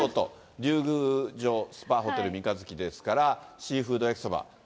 龍宮城スパホテル三日月ですから、シーフード焼きそば。